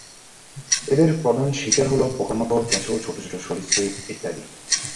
এদের প্রধান শিকার হল পোকামাকড়, কেঁচো, ছোটো ছোটো সরীসৃপ ইত্যাদি।